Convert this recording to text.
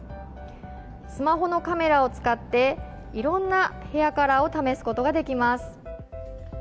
スマホのカメラを使っていろんなヘアカラーを試すことができます。